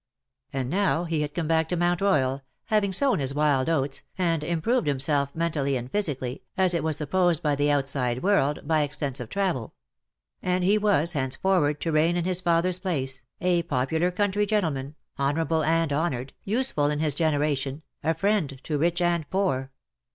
And now he had come back to Mount Royal, having sown his wild oats_, and improved himself mentally and physically, as it was supposed by the outside world, by extensive travel ; and he was henceforward to reign in his father^s place, a popular country gentleman, honourable and honoured, useful in his generation, a friend to rich and poor.